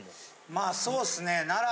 まあそうっすね奈良。